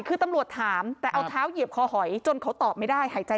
คือตำรวจถามแต่เอาเท้าเหยียบคอหอยจนเขาตอบไม่ได้หายใจ